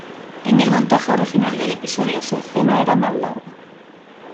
En el montaje original del episodio, su escena era más larga.